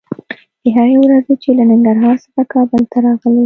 د هغې ورځې چې له ننګرهار څخه کابل ته راغلې